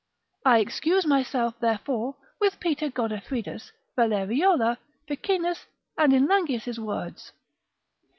I excuse myself, therefore, with Peter Godefridus, Valleriola, Ficinus, and in Langius' words.